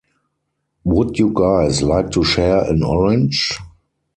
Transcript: Would you guys like to share an orange?